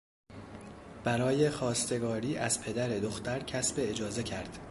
برای خواستگاری از پدر دختر کسب اجازه کرد.